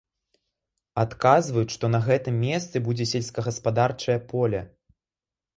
Адказваюць, што на гэтым месцы будзе сельскагаспадарчае поле.